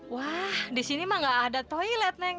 wah disini mah nggak ada toilet neng